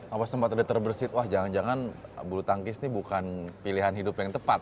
apa sempat udah terbersih wah jangan jangan bulu tangkis ini bukan pilihan hidup yang tepat